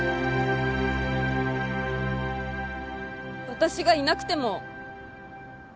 私がいなくても。